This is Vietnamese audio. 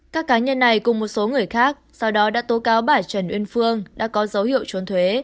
các cá nhân này cùng một số người khác sau đó đã tố cáo bà trần uyên phương đã có dấu hiệu trốn thuế